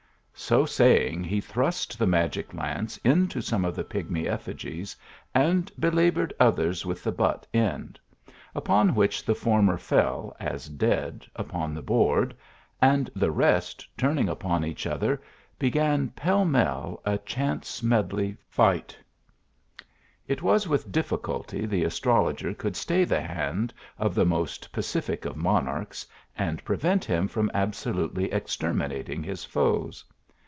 " So saying he thrust the magic lance into some of the pigmy effigies, and belaboured others with the butt end ; upon which the former fell, as dead, up on the board, and the rest turning upon each other, began, pell mell, a chance medley fight. THE ARABIAN A8RTOLOGER, 117 It was with difficulty the astrologer could stay the hand of the most pacific of monarchs, and prevent him from absolutely exterminating his foes.